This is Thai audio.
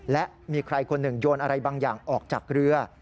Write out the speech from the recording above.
และมีใครคนหนึ่งโยนอะไรบางอย่างออกจากเรือ